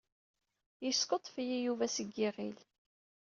Yeskuḍḍef-iyi Yuba seg yiɣil.